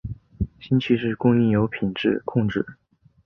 新奇士供应有品质控制。